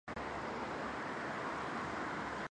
可升级成奔石。